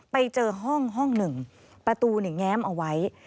ไปเจอห้องห้องหนึ่งประตูแง้มเอาไว้